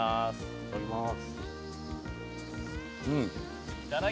いただきまーす！